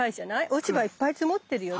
落ち葉いっぱい積もってるよね？